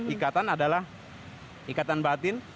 ikatan adalah ikatan batin